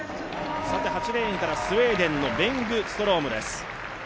８レーンからスウェーデンのベングツトロームです。